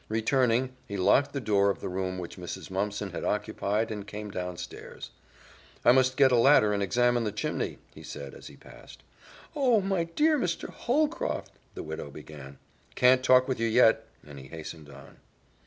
Returning, he locked the door of the room which Mrs. Mumpson had occupied and came downstairs. "I must get a ladder and examine the chimney," he said as he passed. "Oh, my dear Mr. Holcroft!" the widow began. "Can't talk with you yet," and he hastened on.